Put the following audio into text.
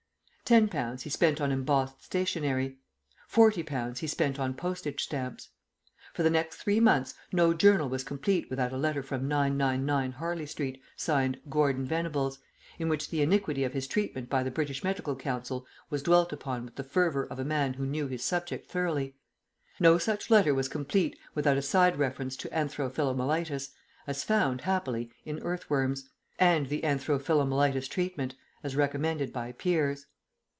Ten pounds he spent on embossed stationery. Forty pounds he spent on postage stamps. For the next three months no journal was complete without a letter from 999 Harley Street, signed "Gordon Venables," in which the iniquity of his treatment by the British Medical Council was dwelt upon with the fervour of a man who knew his subject thoroughly; no such letter was complete without a side reference to anthro philomelitis (as found, happily, in earth worms) and the anthro philomelitis treatment (as recommended by peers).